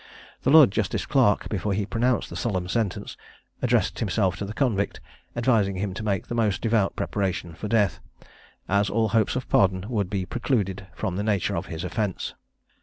The Lord Justice Clerk, before he pronounced the solemn sentence, addressed himself to the convict, advising him to make the most devout preparation for death, as all hopes of pardon would be precluded, from the nature of his offence.